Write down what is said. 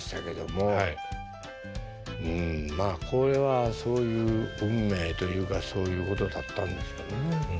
うんまあこれはそういう運命というかそういうことだったんですかね。